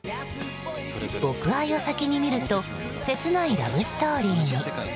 「僕愛」を先に見ると切ないラブストーリーに。